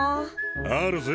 あるぜ。